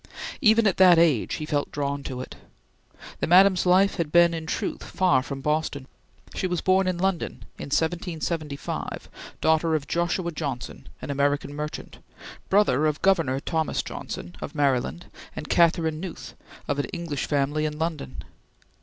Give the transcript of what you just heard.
Even at that age, he felt drawn to it. The Madam's life had been in truth far from Boston. She was born in London in 1775, daughter of Joshua Johnson, an American merchant, brother of Governor Thomas Johnson of Maryland; and Catherine Nuth, of an English family in London.